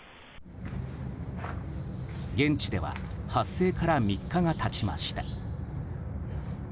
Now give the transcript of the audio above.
現地では発生から３日が経ちました。